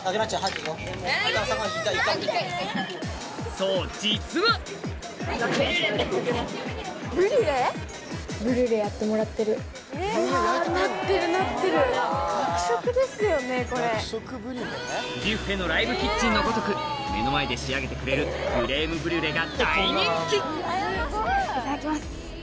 そう実はビュッフェのライブキッチンのごとく目の前で仕上げてくれるクレームブリュレが大人気いただきます。